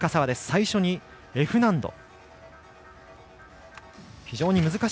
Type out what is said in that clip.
最初にＦ難度。